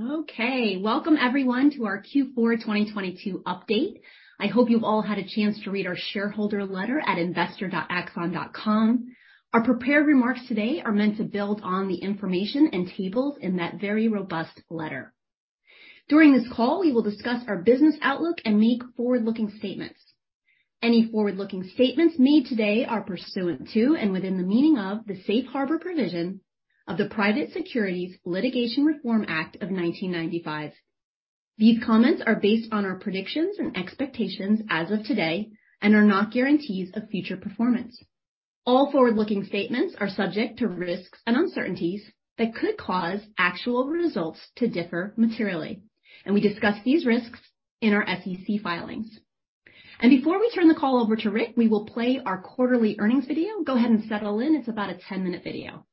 Okay. Welcome everyone to our Q4 2022 Update. I hope you've all had a chance to read our shareholder letter at investor.axon.com. Our prepared remarks today are meant to build on the information and tables in that very robust letter. During this call, we will discuss our business outlook and make forward-looking statements. Any forward-looking statements made today are pursuant to and within the meaning of the safe harbor provision of the Private Securities Litigation Reform Act of 1995. These comments are based on our predictions and expectations as of today and are not guarantees of future performance. All forward-looking statements are subject to risks and uncertainties that could cause actual results to differ materially. We discuss these risks in our SEC filings. Before we turn the call over to Rick, we will play our quarterly earnings video. Go ahead and settle in. It's about a 10-minute video.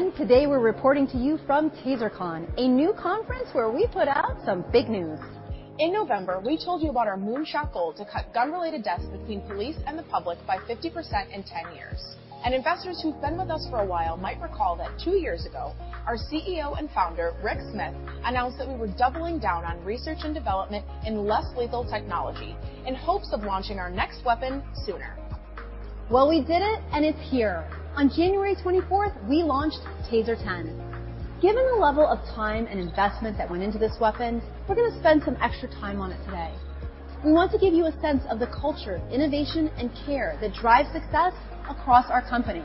Hey, everyone. Today, we're reporting to you from TASERCON, a new conference where we put out some big news. In November, we told you about our moonshot goal to cut gun-related deaths between police and the public by 50% in 10 years. Investors who've been with us for a while might recall that 2 years ago, our CEO and founder, Rick Smith, announced that we were doubling down on research and development in less lethal technology in hopes of launching our next weapon sooner. Well, we did it, and it's here. On January 24th, we launched TASER 10. Given the level of time and investment that went into this weapon, we're gonna spend some extra time on it today. We want to give you a sense of the culture, innovation, and care that drives success across our company.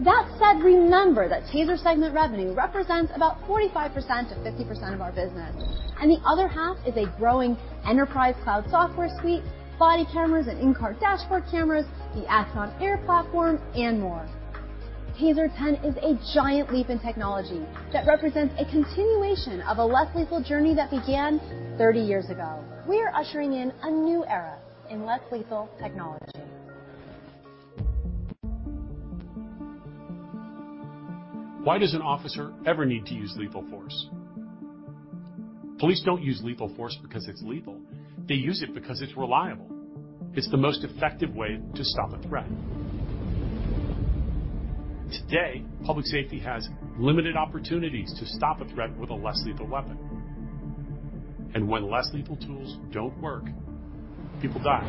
That said, remember that TASER segment revenue represents about 45%-50% of our business, and the other half is a growing enterprise cloud software suite, body cameras and in-car dashboard cameras, the Axon Air platform, and more. TASER 10 is a giant leap in technology that represents a continuation of a less lethal journey that began 30 years ago. We are ushering in a new era in less lethal technology. Why does an officer ever need to use lethal force? Police don't use lethal force because it's lethal. They use it because it's reliable. It's the most effective way to stop a threat. Today, public safety has limited opportunities to stop a threat with a less lethal weapon. When less lethal tools don't work, people die.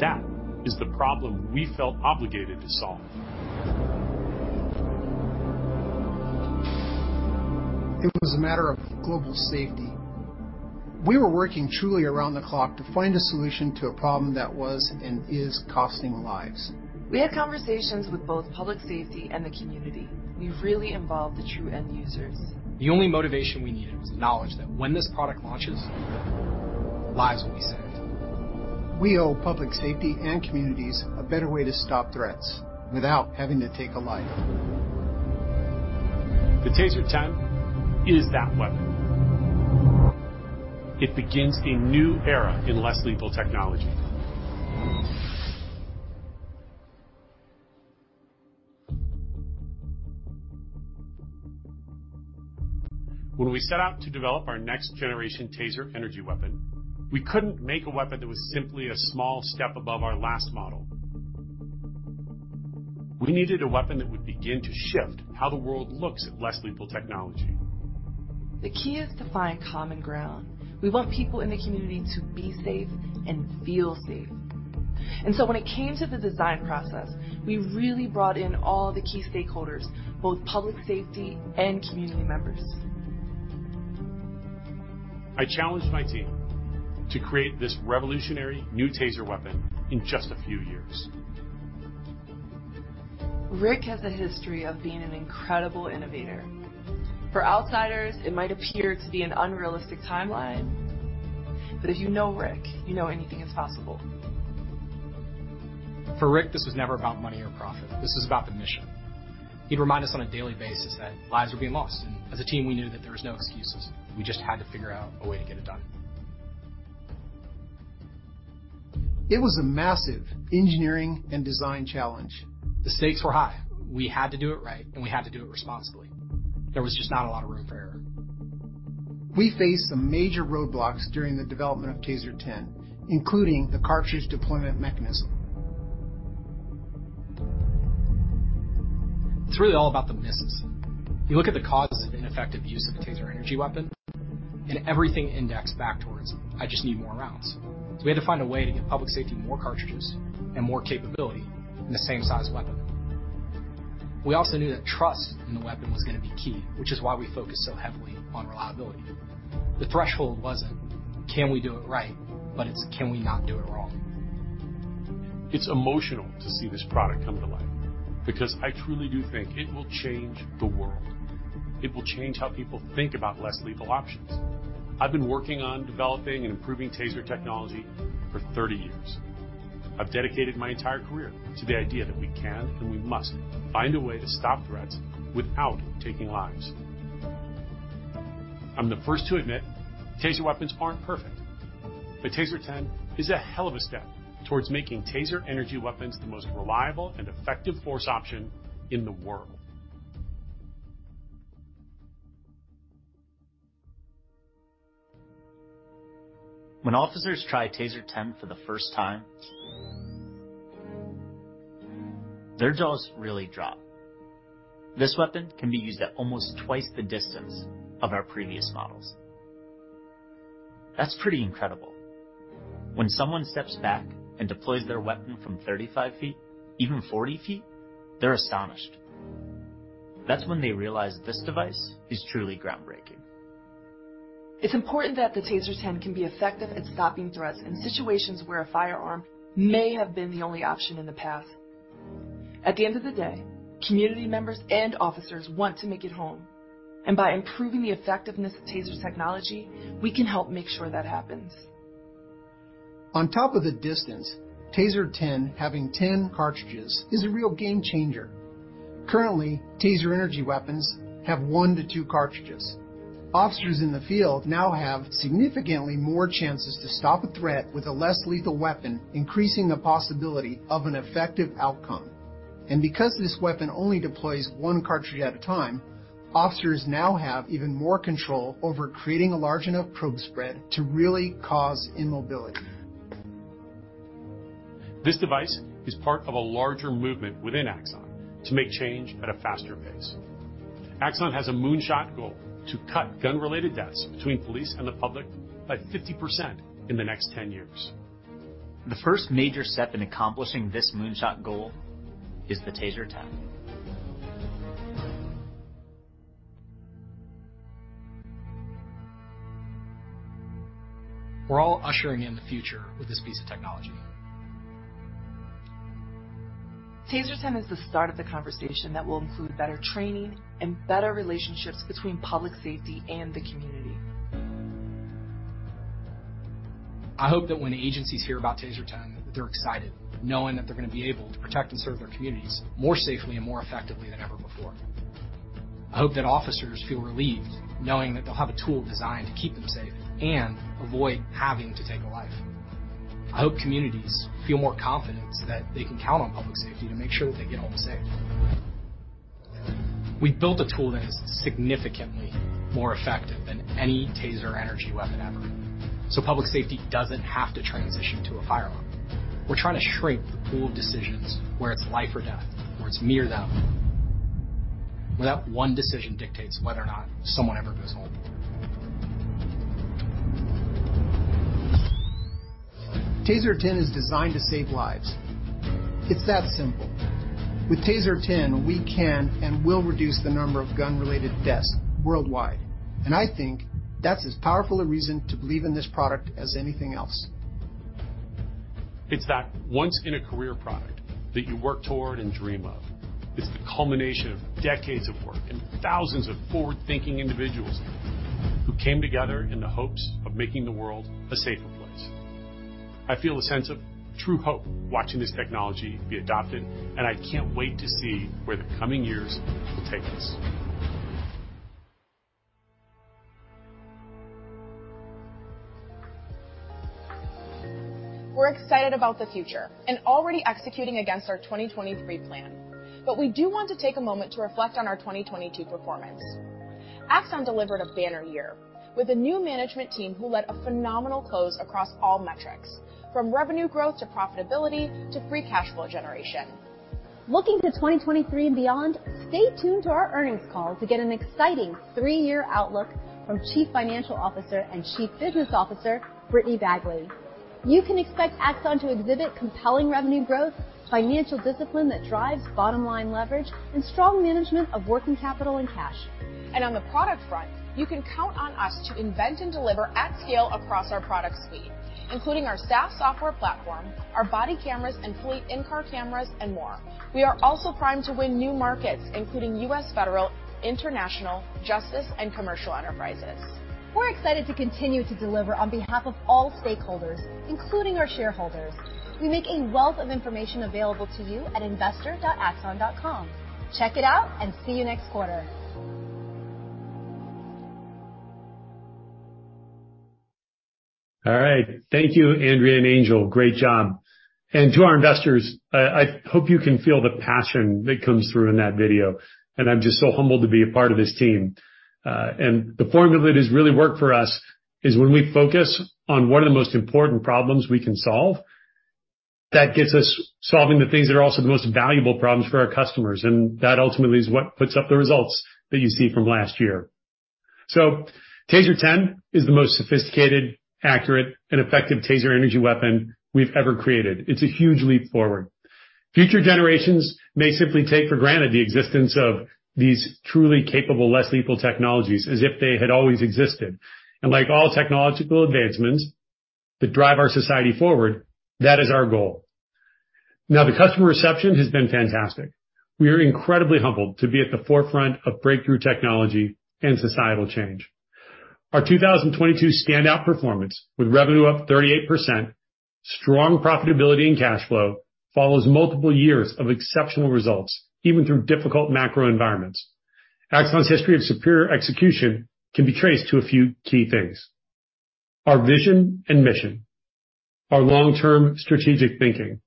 That is the problem we felt obligated to solve. It was a matter of global safety. We were working truly around the clock to find a solution to a problem that was and is costing lives. We had conversations with both public safety and the community. We really involved the true end users. The only motivation we needed was the knowledge that when this product launches, lives will be saved. We owe public safety and communities a better way to stop threats without having to take a life. The TASER 10 is that weapon. It begins a new era in less lethal technology. When we set out to develop our next generation TASER energy weapon, we couldn't make a weapon that was simply a small step above our last model. We needed a weapon that would begin to shift how the world looks at less lethal technology. The key is to find common ground. We want people in the community to be safe and feel safe. When it came to the design process, we really brought in all the key stakeholders, both public safety and community members. I challenged my team to create this revolutionary new TASER weapon in just a few years. Rick has a history of being an incredible innovator. For outsiders, it might appear to be an unrealistic timeline, but if you know Rick, you know anything is possible. For Rick, this was never about money or profit. This is about the mission. He'd remind us on a daily basis that lives were being lost. As a team, we knew that there was no excuses. We just had to figure out a way to get it done. It was a massive engineering and design challenge. The stakes were high. We had to do it right, and we had to do it responsibly. There was just not a lot of room for error. We faced some major roadblocks during the development of TASER 10, including the cartridge deployment mechanism. It's really all about the misses. You look at the causes of ineffective use of a TASER energy weapon, and everything indexed back towards, "I just need more rounds." We had to find a way to get public safety more cartridges and more capability in the same size weapon. We also knew that trust in the weapon was going to be key, which is why we focused so heavily on reliability. The threshold wasn't, "Can we do it right?" It's, "Can we not do it wrong? It's emotional to see this product come to life because I truly do think it will change the world. It will change how people think about less lethal options. I've been working on developing and improving TASER technology for 30 years. I've dedicated my entire career to the idea that we can and we must find a way to stop threats without taking lives. I'm the first to admit TASER weapons aren't perfect, but TASER 10 is a hell of a step towards making TASER energy weapons the most reliable and effective force option in the world. When officers try TASER 10 for the first time, their jaws really drop. This weapon can be used at almost twice the distance of our previous models. That's pretty incredible. When someone steps back and deploys their weapon from 35 feet, even 40 feet, they're astonished. That's when they realize this device is truly groundbreaking. It's important that the TASER 10 can be effective at stopping threats in situations where a firearm may have been the only option in the past. At the end of the day, community members and officers want to make it home, and by improving the effectiveness of TASER technology, we can help make sure that happens. On top of the distance, TASER 10 having 10 cartridges is a real game changer. Currently, TASER energy weapons have 1 to 2 cartridges. Officers in the field now have significantly more chances to stop a threat with a less lethal weapon, increasing the possibility of an effective outcome. Because this weapon only deploys 1 cartridge at a time, officers now have even more control over creating a large enough probe spread to really cause immobility. This device is part of a larger movement within Axon to make change at a faster pace. Axon has a moonshot goal to cut gun-related deaths between police and the public by 50% in the next 10 years. The first major step in accomplishing this moonshot goal is the TASER 10. We're all ushering in the future with this piece of technology. TASER 10 is the start of the conversation that will include better training and better relationships between public safety and the community. I hope that when agencies hear about TASER 10, they're excited knowing that they're gonna be able to protect and serve their communities more safely and more effectively than ever before. I hope that officers feel relieved knowing that they'll have a tool designed to keep them safe and avoid having to take a life. I hope communities feel more confident that they can count on public safety to make sure that they get home safe. We built a tool that is significantly more effective than any TASER energy weapon ever, so public safety doesn't have to transition to a firearm. We're trying to shrink the pool of decisions where it's life or death, where it's me or them, where that one decision dictates whether or not someone ever goes home. TASER 10 is designed to save lives. It's that simple. With TASER 10, we can and will reduce the number of gun-related deaths worldwide, and I think that's as powerful a reason to believe in this product as anything else. It's that once in a career product that you work toward and dream of. It's the culmination of decades of work and thousands of forward-thinking individuals who came together in the hopes of making the world a safer place. I feel a sense of true hope watching this technology be adopted, and I can't wait to see where the coming years will take us. We're excited about the future and already executing against our 2023 plan. We do want to take a moment to reflect on our 2022 performance. Axon delivered a banner year with a new management team who led a phenomenal close across all metrics, from revenue growth to profitability to free cash flow generation. Looking to 2023 and beyond, stay tuned to our earnings call to get an exciting three-year outlook from Chief Financial Officer and Chief Business Officer, Brittany Bagley. You can expect Axon to exhibit compelling revenue growth, financial discipline that drives bottom-line leverage, and strong management of working capital and cash. On the product front, you can count on us to invent and deliver at scale across our product suite, including our SaaS software platform, our body cameras and Fleet in-car cameras, and more. We are also primed to win new markets, including U.S. federal, international, justice, and commercial enterprises. We're excited to continue to deliver on behalf of all stakeholders, including our shareholders. We make a wealth of information available to you at investor.axon.com. Check it out and see you next quarter. All right. Thank you, Andrea and Angel. Great job. To our investors, I hope you can feel the passion that comes through in that video, and I'm just so humbled to be a part of this team. The formula that has really worked for us is when we focus on what are the most important problems we can solve, that gets us solving the things that are also the most valuable problems for our customers, and that ultimately is what puts up the results that you see from last year. TASER 10 is the most sophisticated, accurate, and effective TASER energy weapon we've ever created. It's a huge leap forward. Future generations may simply take for granted the existence of these truly capable, less lethal technologies as if they had always existed. Like all technological advancements that drive our society forward, that is our goal. The customer reception has been fantastic. We are incredibly humbled to be at the forefront of breakthrough technology and societal change. Our 2022 standout performance with revenue up 38%, strong profitability and cash flow follows multiple years of exceptional results, even through difficult macro environments. Axon's history of superior execution can be traced to a few key things. Our vision and mission, our long-term strategic thinking,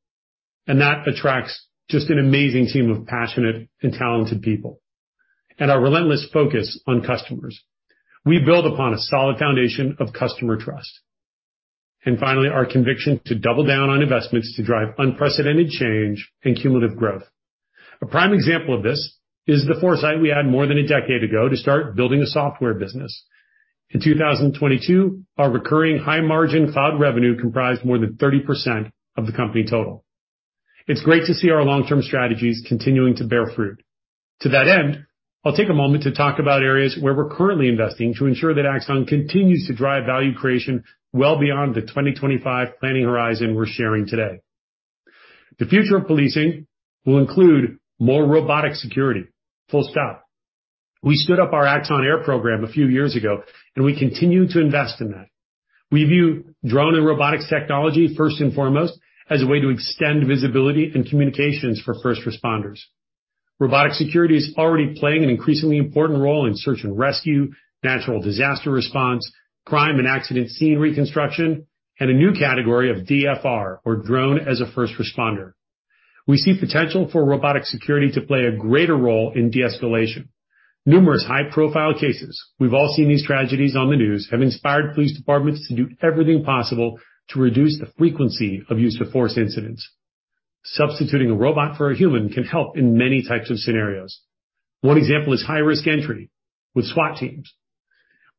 that attracts just an amazing team of passionate and talented people, and our relentless focus on customers. We build upon a solid foundation of customer trust. Finally, our conviction to double down on investments to drive unprecedented change and cumulative growth. A prime example of this is the foresight we had more than a decade ago to start building a software business. In 2022, our recurring high margin cloud revenue comprised more than 30% of the company total. It's great to see our long-term strategies continuing to bear fruit. To that end, I'll take a moment to talk about areas where we're currently investing to ensure that Axon continues to drive value creation well beyond the 2025 planning horizon we're sharing today. The future of policing will include more robotic security, full stop. We stood up our Axon Air program a few years ago. We continue to invest in that. We view drone and robotics technology first and foremost as a way to extend visibility and communications for first responders. Robotic security is already playing an increasingly important role in search and rescue, natural disaster response, crime and accident scene reconstruction, and a new category of DFR, or Drone as a First Responder. We see potential for robotic security to play a greater role in de-escalation. Numerous high-profile cases, we've all seen these tragedies on the news, have inspired police departments to do everything possible to reduce the frequency of use of force incidents. Substituting a robot for a human can help in many types of scenarios. One example is high-risk entry with SWAT teams.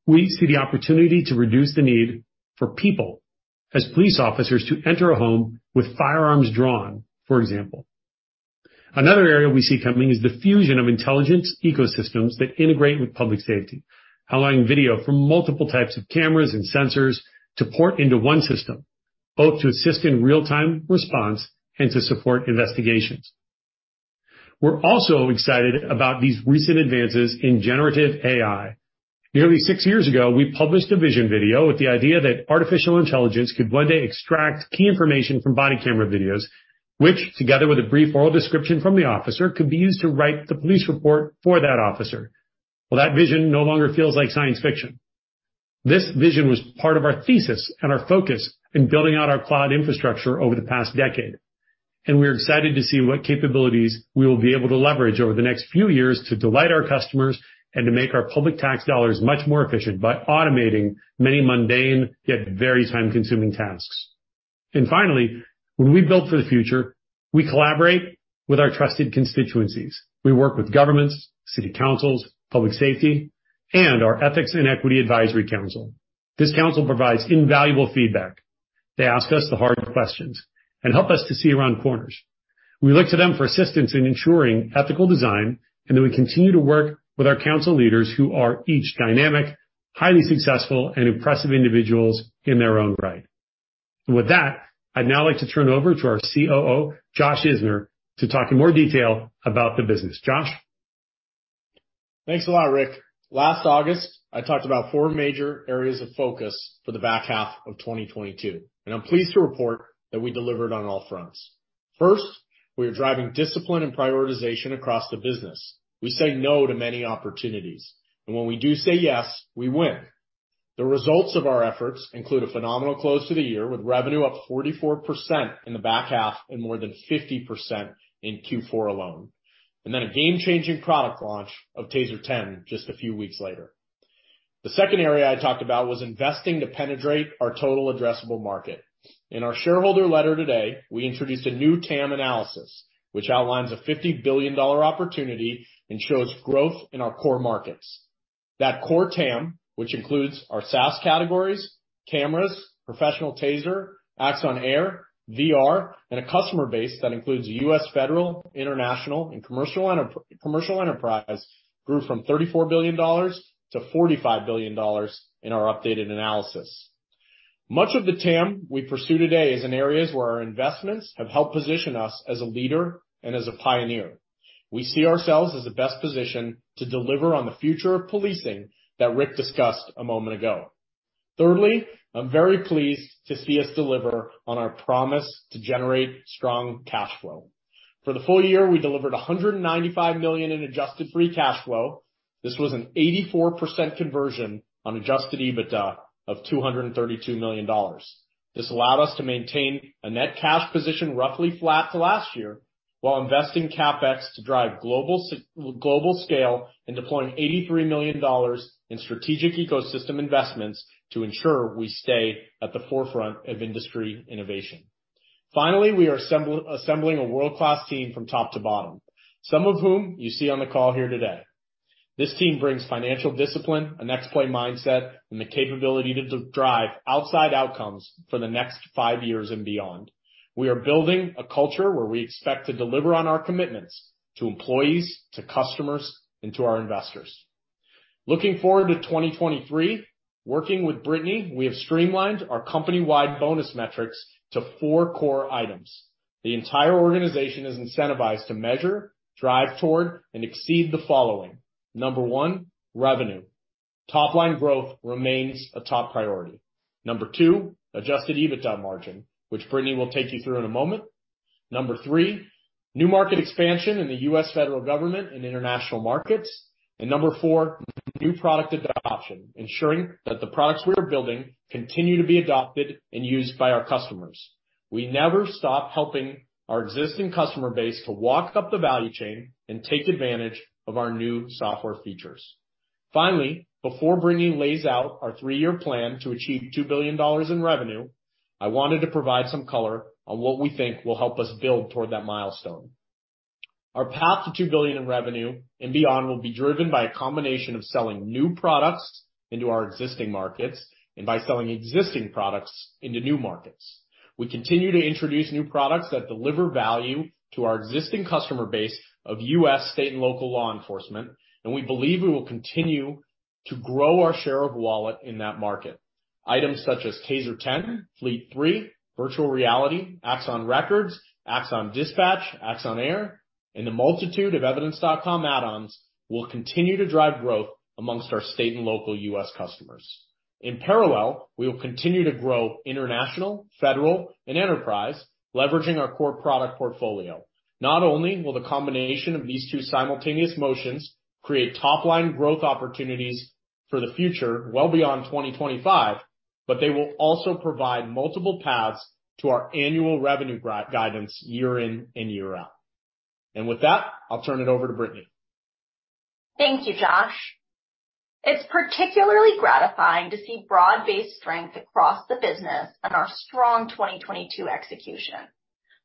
We see the opportunity to reduce the need for people as police officers to enter a home with firearms drawn, for example. Another area we see coming is the fusion of intelligence ecosystems that integrate with public safety, allowing video from multiple types of cameras and sensors to port into one system, both to assist in real-time response and to support investigations. We're also excited about these recent advances in generative AI. Nearly six years ago, we published a vision video with the idea that artificial intelligence could one day extract key information from body camera videos, which, together with a brief oral description from the officer, could be used to write the police report for that officer. Well, that vision no longer feels like science fiction. This vision was part of our thesis and our focus in building out our cloud infrastructure over the past decade. We're excited to see what capabilities we will be able to leverage over the next few years to delight our customers and to make our public tax dollars much more efficient by automating many mundane, yet very time-consuming tasks. Finally, when we build for the future, we collaborate with our trusted constituencies. We work with governments, city councils, public safety, and our Ethics & Equity Advisory Council. This council provides invaluable feedback. They ask us the hard questions and help us to see around corners. We look to them for assistance in ensuring ethical design, then we continue to work with our council leaders who are each dynamic, highly successful, and impressive individuals in their own right. With that, I'd now like to turn it over to our COO, Josh Isner, to talk in more detail about the business. Josh? Thanks a lot, Rick. Last August, I talked about 4 major areas of focus for the back half of 2022. I'm pleased to report that we delivered on all fronts. First, we are driving discipline and prioritization across the business. We say no to many opportunities. When we do say yes, we win. The results of our efforts include a phenomenal close to the year, with revenue up 44% in the back half and more than 50% in Q4 alone. Then a game-changing product launch of TASER 10 just a few weeks later. The second area I talked about was investing to penetrate our total addressable market. In our shareholder letter today, we introduced a new TAM analysis which outlines a $50 billion opportunity and shows growth in our core markets. That core TAM, which includes our SaaS categories, cameras, professional TASER, Axon Air, VR, and a customer base that includes U.S. federal, international, and commercial enterprise grew from $34 billion to $45 billion in our updated analysis. Much of the TAM we pursue today is in areas where our investments have helped position us as a leader and as a pioneer. We see ourselves as the best position to deliver on the future of policing that Rick discussed a moment ago. I'm very pleased to see us deliver on our promise to generate strong cash flow. For the full year, we delivered $195 million in adjusted free cash flow. This was an 84% conversion on adjusted EBITDA of $232 million. This allowed us to maintain a net cash position roughly flat to last year while investing CapEx to drive global scale and deploying $83 million in strategic ecosystem investments to ensure we stay at the forefront of industry innovation. We are assembling a world-class team from top to bottom, some of whom you see on the call here today. This team brings financial discipline, a next play mindset, and the capability to drive outside outcomes for the next five years and beyond. We are building a culture where we expect to deliver on our commitments to employees, to customers, and to our investors. Looking forward to 2023, working with Brittany, we have streamlined our company-wide bonus metrics to four core items. The entire organization is incentivized to measure, drive toward, and exceed the following. Number 1, revenue. Top line growth remains a top priority. Number two, adjusted EBITDA margin, which Brittany will take you through in a moment. Number three, new market expansion in the U.S. federal government and international markets. Number four, new product adoption, ensuring that the products we are building continue to be adopted and used by our customers. We never stop helping our existing customer base to walk up the value chain and take advantage of our new software features. Finally, before Brittany lays out our three-year plan to achieve $2 billion in revenue, I wanted to provide some color on what we think will help us build toward that milestone. Our path to $2 billion in revenue and beyond will be driven by a combination of selling new products into our existing markets and by selling existing products into new markets. We continue to introduce new products that deliver value to our existing customer base of U.S. state and local law enforcement. We believe we will continue to grow our share of wallet in that market. Items such as TASER 10, Fleet 3, Virtual Reality, Axon Records, Axon Dispatch, Axon Air, and the multitude of evidence.com add-ons will continue to drive growth amongst our state and local U.S. customers. In parallel, we will continue to grow international, federal, and enterprise, leveraging our core product portfolio. Not only will the combination of these two simultaneous motions create top-line growth opportunities for the future, well beyond 2025, but they will also provide multiple paths to our annual revenue guidance year-in and year-out. With that, I'll turn it over to Brittany. Thank you, Josh. It's particularly gratifying to see broad-based strength across the business and our strong 2022 execution.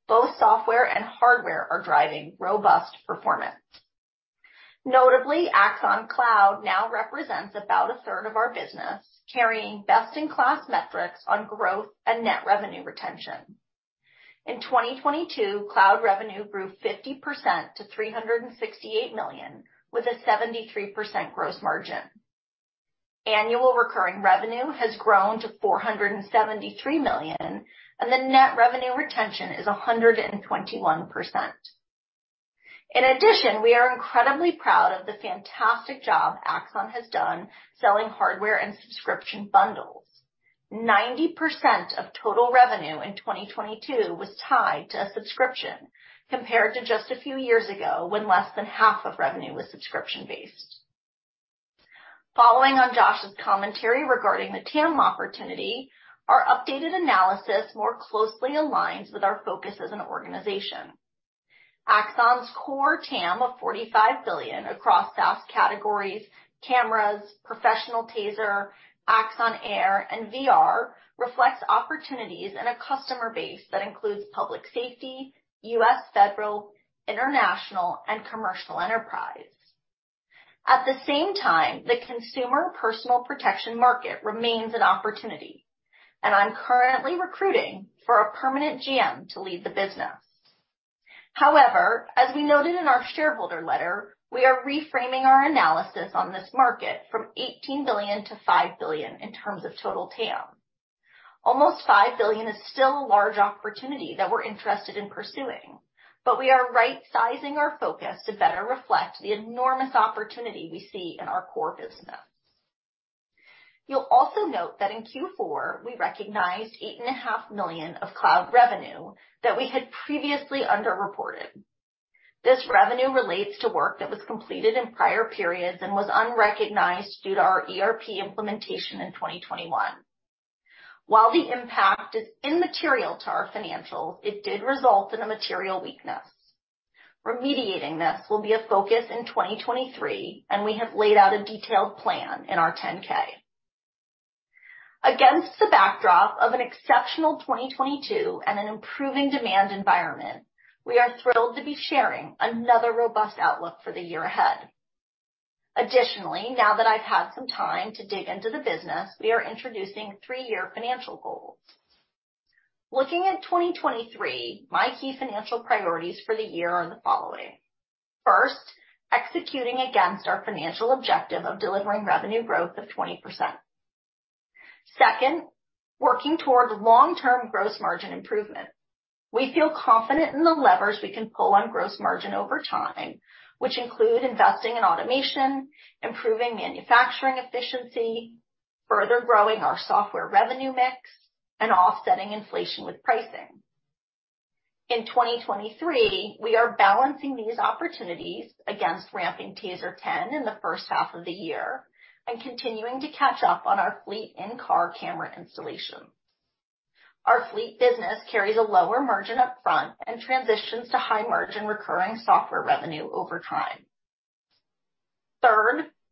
Both software and hardware are driving robust performance. Notably, Axon Cloud now represents about a third of our business, carrying best-in-class metrics on growth and net revenue retention. In 2022, cloud revenue grew 50% to $368 million, with a 73% gross margin. Annual recurring revenue has grown to $473 million, and the net revenue retention is 121%. We are incredibly proud of the fantastic job Axon has done selling hardware and subscription bundles. 90% of total revenue in 2022 was tied to a subscription, compared to just a few years ago, when less than half of revenue was subscription-based. Following on Josh Isner's commentary regarding the TAM opportunity, our updated analysis more closely aligns with our focus as an organization. Axon's core TAM of $45 billion across SaaS categories, cameras, professional TASER, Axon Air, and VR reflects opportunities in a customer base that includes public safety, U.S. federal, international, and commercial enterprise. At the same time, the consumer personal protection market remains an opportunity, and I'm currently recruiting for a permanent GM to lead the business. However, as we noted in our shareholder letter, we are reframing our analysis on this market from $18 billion to $5 billion in terms of total TAM. Almost $5 billion is still a large opportunity that we're interested in pursuing, but we are right-sizing our focus to better reflect the enormous opportunity we see in our core business. You'll also note that in Q4, we recognized eight and a half million of cloud revenue that we had previously underreported. This revenue relates to work that was completed in prior periods and was unrecognized due to our ERP implementation in 2021. While the impact is immaterial to our financials, it did result in a material weakness. Remediating this will be a focus in 2023, and we have laid out a detailed plan in our 10-K. Against the backdrop of an exceptional 2022 and an improving demand environment, we are thrilled to be sharing another robust outlook for the year ahead. Additionally, now that I've had some time to dig into the business, we are introducing three-year financial goals. Looking at 2023, my key financial priorities for the year are the following. First, executing against our financial objective of delivering revenue growth of 20%. Working toward long-term gross margin improvement. We feel confident in the levers we can pull on gross margin over time, which include investing in automation, improving manufacturing efficiency, further growing our software revenue mix, and offsetting inflation with pricing. In 2023, we are balancing these opportunities against ramping TASER 10 in the first half of the year and continuing to catch up on our Fleet in-car camera installation. Our Fleet business carries a lower margin up front and transitions to high-margin recurring software revenue over time.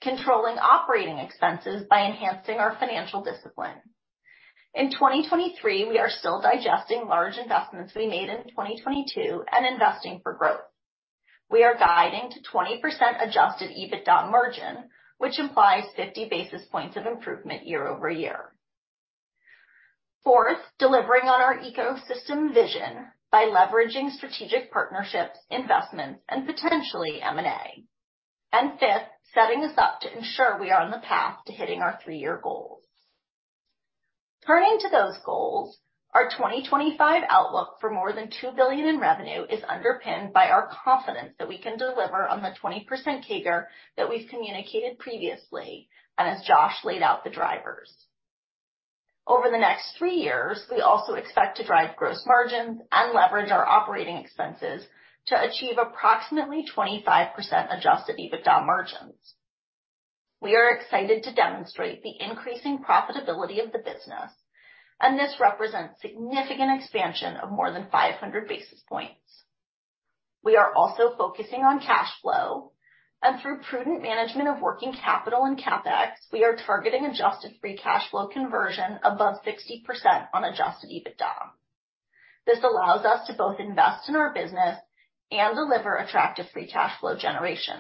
Controlling operating expenses by enhancing our financial discipline. In 2023, we are still digesting large investments we made in 2022 and investing for growth. We are guiding to 20% adjusted EBITDA margin, which implies 50 basis points of improvement year-over-year. Delivering on our ecosystem vision by leveraging strategic partnerships, investments, and potentially M&A. Fifth, setting us up to ensure we are on the path to hitting our 3-year goals. Turning to those goals, our 2025 outlook for more than $2 billion in revenue is underpinned by our confidence that we can deliver on the 20% CAGR that we've communicated previously, and as Josh laid out the drivers. Over the next 3 years, we also expect to drive gross margins and leverage our operating expenses to achieve approximately 25% adjusted EBITDA margins. We are excited to demonstrate the increasing profitability of the business, and this represents significant expansion of more than 500 basis points. We are also focusing on cash flow, and through prudent management of working capital and CapEx, we are targeting adjusted free cash flow conversion above 60% on adjusted EBITDA. This allows us to both invest in our business and deliver attractive free cash flow generation.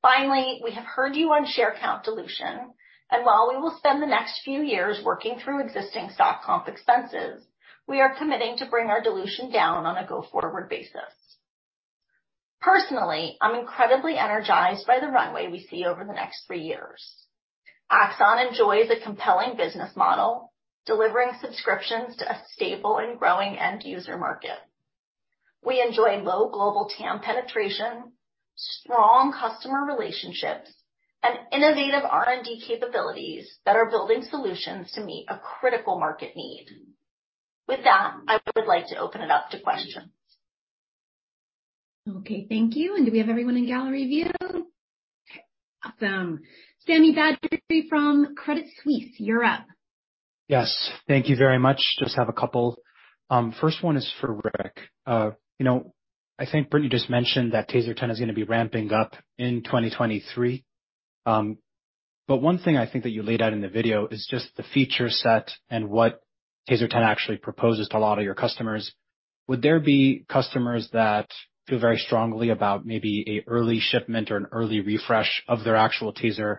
Finally, we have heard you on share count dilution, and while we will spend the next few years working through existing stock comp expenses, we are committing to bring our dilution down on a go-forward basis. Personally, I'm incredibly energized by the runway we see over the next three years. Axon enjoys a compelling business model, delivering subscriptions to a stable and growing end user market. We enjoy low global TAM penetration, strong customer relationships, and innovative R&D capabilities that are building solutions to meet a critical market need. With that, I would like to open it up to questions. Okay, thank you. Do we have everyone in gallery view? Awesome. Sami Badri from Credit Suisse, you're up. Yes, thank you very much. Just have a couple. first one is for Rick. you know, I think Brittany just mentioned that TASER 10 is gonna be ramping up in 2023. One thing I think that you laid out in the video is just the feature set and what TASER 10 actually proposes to a lot of your customers. Would there be customers that feel very strongly about maybe a early shipment or an early refresh of their actual TASER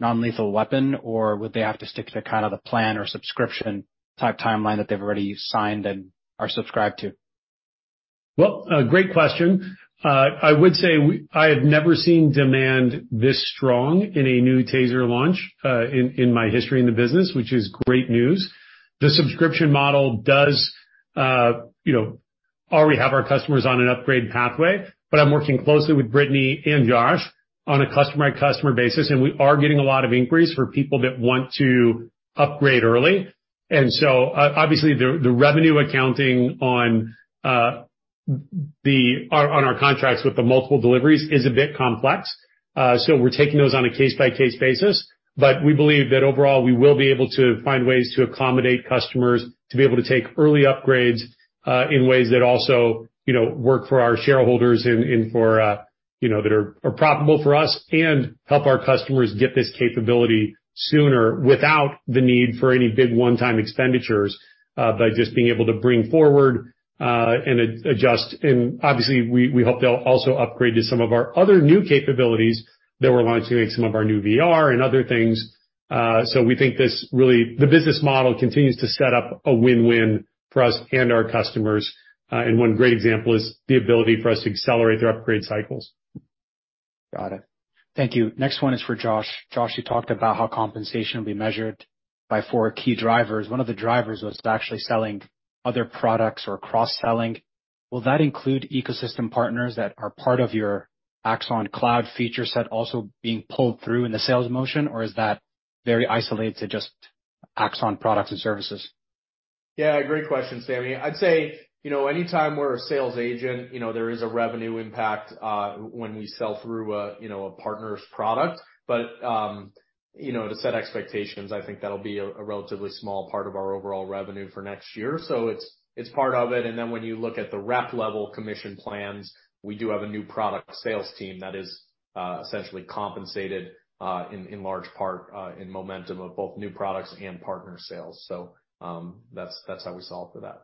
non-lethal weapon? Would they have to stick to kind of the plan or subscription type timeline that they've already signed and are subscribed to? A great question. I have never seen demand this strong in a new TASER launch, in my history in the business, which is great news. The subscription model does, you know, already have our customers on an upgrade pathway, but I'm working closely with Brittany and Josh on a customer basis, we are getting a lot of inquiries for people that want to upgrade early. Obviously, the revenue accounting on our contracts with the multiple deliveries is a bit complex. We're taking those on a case-by-case basis. We believe that overall, we will be able to find ways to accommodate customers to be able to take early upgrades in ways that also, you know, work for our shareholders and for, you know, that are profitable for us and help our customers get this capability sooner without the need for any big one-time expenditures by just being able to bring forward and adjust. Obviously, we hope they'll also upgrade to some of our other new capabilities that we're launching, like some of our new VR and other things. We think this really the business model continues to set up a win-win for us and our customers. One great example is the ability for us to accelerate their upgrade cycles. Got it. Thank you. Next one is for Josh. Josh, you talked about how compensation will be measured by four key drivers. One of the drivers was actually selling other products or cross-selling. Will that include ecosystem partners that are part of your Axon Cloud feature set also being pulled through in the sales motion? Is that very isolated to just Axon products and services? Great question, Sammy. I'd say, anytime we're a sales agent, there is a revenue impact when we sell through a partner's product. To set expectations, I think that'll be a relatively small part of our overall revenue for next year. It's part of it. When you look at the rep level commission plans, we do have a new product sales team that is essentially compensated in large part in momentum of both new products and partner sales. That's how we solve for that.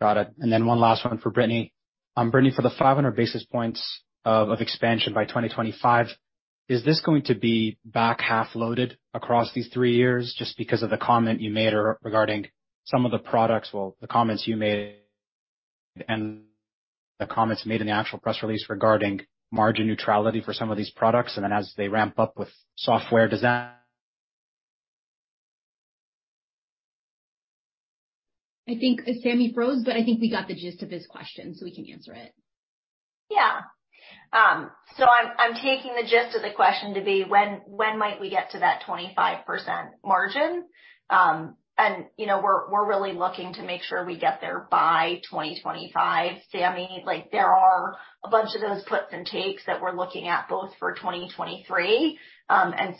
Got it. Then one last one for Brittany. Brittany, for the 500 basis points of expansion by 2025, is this going to be back half loaded across these three years just because of the comment you made regarding some of the products? Well, the comments you made and the comments made in the actual press release regarding margin neutrality for some of these products, and then as they ramp up with software, does that- I think Sami froze, but I think we got the gist of his question, so we can answer it. Yeah. I'm taking the gist of the question to be when might we get to that 25% margin? You know, we're really looking to make sure we get there by 2025, Sami. Like, there are a bunch of those puts and takes that we're looking at both for 2023.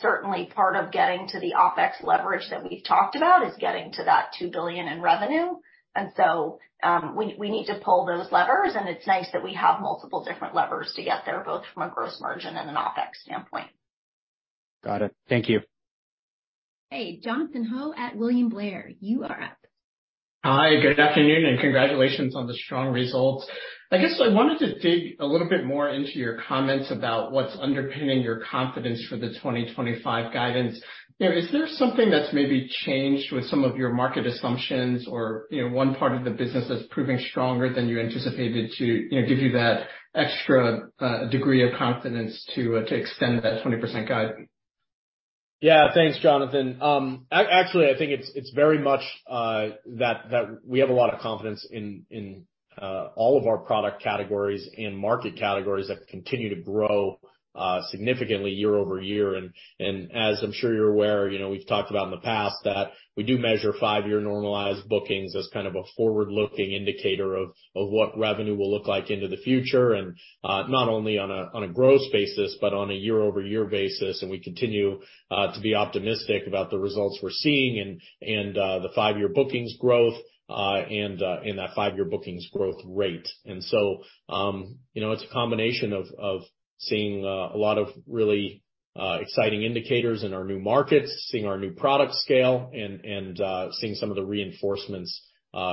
Certainly part of getting to the OpEx leverage that we've talked about is getting to that $2 billion in revenue. We need to pull those levers, and it's nice that we have multiple different levers to get there, both from a gross margin and an OpEx standpoint. Got it. Thank you. Hey, Jonathan Ho at William Blair, you are up. Hi, good afternoon. Congratulations on the strong results. I guess I wanted to dig a little bit more into your comments about what's underpinning your confidence for the 2025 guidance. You know, is there something that's maybe changed with some of your market assumptions or, you know, one part of the business that's proving stronger than you anticipated to, you know, give you that extra degree of confidence to extend that 20% guide? Yeah. Thanks, Jonathan. Actually, I think it's very much that we have a lot of confidence in all of our product categories and market categories that continue to grow significantly year-over-year. As I'm sure you're aware, you know, we've talked about in the past that we do measure 5-year normalized bookings as kind of a forward-looking indicator of what revenue will look like into the future, and not only on a growth basis, but on a year-over-year basis. We continue to be optimistic about the results we're seeing and the 5-year bookings growth and that 5-year bookings growth rate. You know, it's a combination of seeing a lot of really exciting indicators in our new markets, seeing our new product scale and seeing some of the reinforcements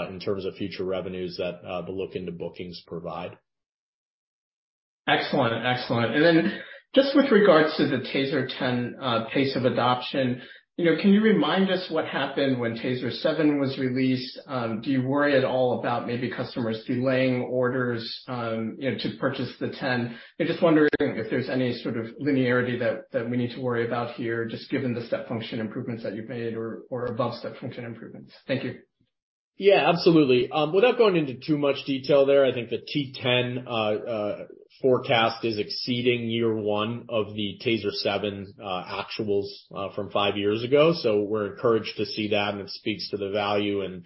in terms of future revenues that the look into bookings provide. Excellent. Excellent. Then just with regards to the TASER 10, pace of adoption, you know, can you remind us what happened when TASER 7 was released? Do you worry at all about maybe customers delaying orders, you know, to purchase the 10? I'm just wondering if there's any sort of linearity that we need to worry about here, just given the step function improvements that you've made or above step function improvements. Thank you. Yeah, absolutely. Without going into too much detail there, I think the TASER 10 forecast is exceeding year one of the TASER 7 actuals from five years ago. We're encouraged to see that, and it speaks to the value and,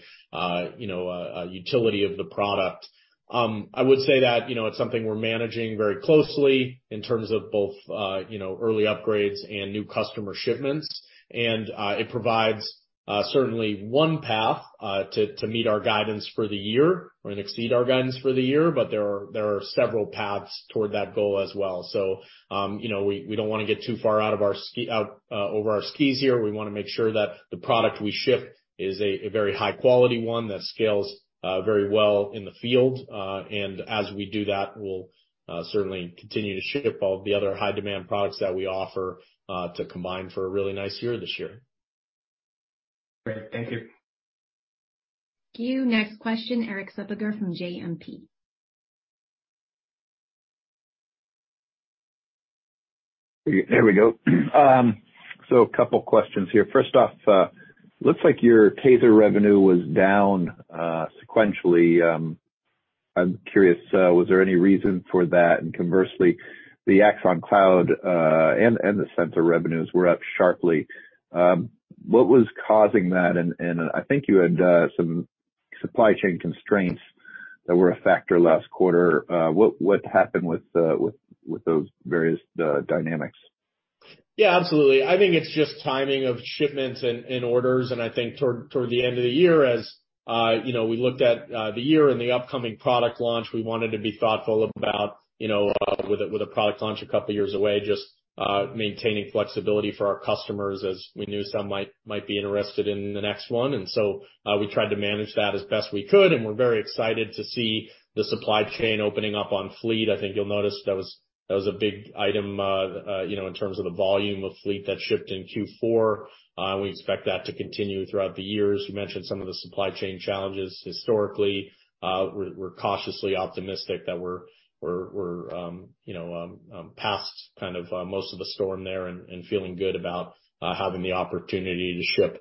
you know, utility of the product. I would say that, you know, it's something we're managing very closely in terms of both, you know, early upgrades and new customer shipments. It provides certainly one path to meet our guidance for the year or exceed our guidance for the year. There are several paths toward that goal as well. You know, we don't wanna get too far out of our skis here. We wanna make sure that the product we ship is a very high quality one that scales, very well in the field. As we do that, we'll certainly continue to ship all the other high demand products that we offer, to combine for a really nice year this year. Great. Thank you. Thank you. Next question, Erik Suppiger from JMP. There we go. A couple questions here. First off, looks like your TASER revenue was down sequentially. I'm curious, was there any reason for that? Conversely, the Axon Cloud, and the sensor revenues were up sharply. What was causing that? I think you had some supply chain constraints that were a factor last quarter. What happened with those various dynamics? Yeah, absolutely. I think it's just timing of shipments and orders. I think toward the end of the year, as, you know, we looked at the year and the upcoming product launch, we wanted to be thoughtful about, you know, with a product launch a couple of years away, just maintaining flexibility for our customers as we knew some might be interested in the next one. We tried to manage that as best we could, and we're very excited to see the supply chain opening up on Fleet. I think you'll notice that was a big item, you know, in terms of the volume of Fleet that shipped in Q4. We expect that to continue throughout the year. As you mentioned some of the supply chain challenges historically, we're cautiously optimistic that we're past kind of most of the storm there and feeling good about having the opportunity to ship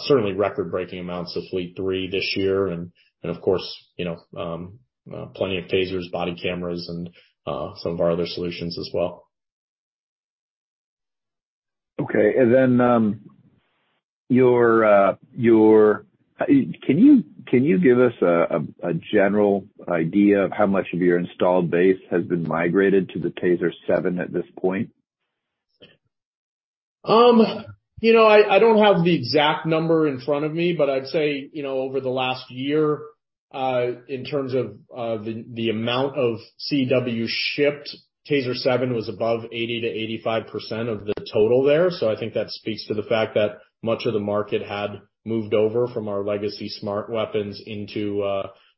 certainly record-breaking amounts of Fleet 3 this year. Of course, you know, plenty of TASERs, body cameras, and some of our other solutions as well. Okay. Can you give us a general idea of how much of your installed base has been migrated to the TASER 7 at this point? You know, I don't have the exact number in front of me, but I'd say, you know, over the last year, in terms of the amount of CEW shipped, TASER 7 was above 80%-85% of the total there. I think that speaks to the fact that much of the market had moved over from our legacy smart weapons into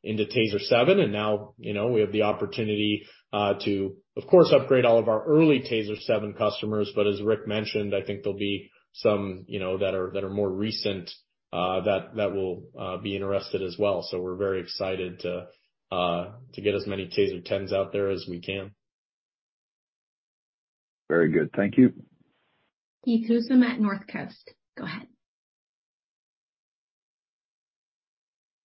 TASER 7. Now, you know, we have the opportunity to, of course, upgrade all of our early TASER 7 customers. As Rick mentioned, I think there'll be some, you know, that are more recent that will be interested as well. We're very excited to get as many TASER 10s out there as we can. Very good. Thank you. Keith Housum at Northcoast. Go ahead.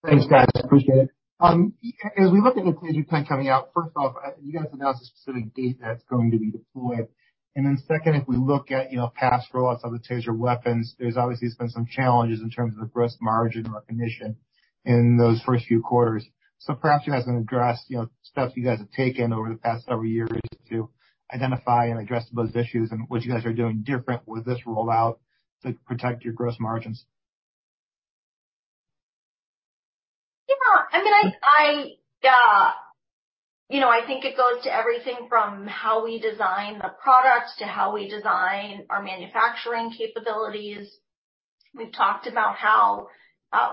Thanks, guys. Appreciate it. As we look at the TASER 10 coming out, first off, you guys announced a specific date that it's going to be deployed? Second, if we look at, you know, past rollouts of the TASER weapons, there's obviously been some challenges in terms of the gross margin recognition in those first few quarters. Perhaps you guys can address, you know, steps you guys have taken over the past several years to identify and address those issues and what you guys are doing different with this rollout to protect your gross margins? I mean, I, you know, I think it goes to everything from how we design the product to how we design our manufacturing capabilities. We've talked about how,